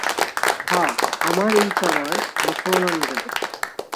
হাঁ, আমার এই চামার মুসলমান দেবতা।